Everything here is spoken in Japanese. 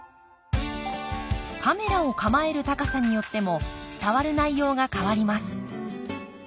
カメラを構える高さによっても伝わる内容が変わります。